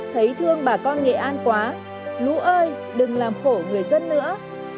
thấy thương bà con nghệ an quá lũ ơi đừng làm khổ người dân nữa